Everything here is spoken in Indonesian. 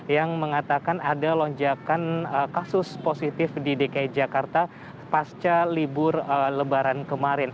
yang mengatakan ada lonjakan kasus positif di dki jakarta